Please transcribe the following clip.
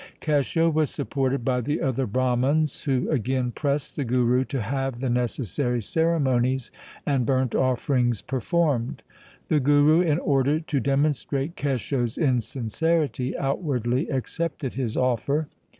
Kesho was supported by the other Brahmans, who again pressed the Guru to have the necessary ceremonies and burnt offerings performed. The Guru in order to demonstrate Kesho' s insincerity outwardly accepted his offer.